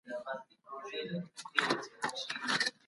پوه سړي د جهالت پر وړاندي مبارزه کړې ده.